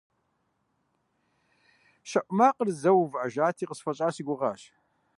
ЩэӀу макъыр зэуэ увыӀэжати, къысфӀэщӀа си гугъащ.